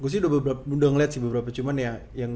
gue sih udah udah ngeliat sih beberapa cuman ya